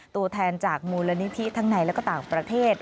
ตัวแทนจากมูลนิธิทั้งในและก็ต่างประเทศ